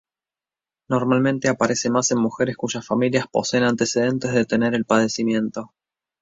Normalmente aparece más en mujeres cuyas familias poseen antecedentes de tener el padecimiento.